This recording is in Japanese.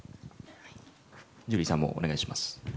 ジュリーさんもお願いします。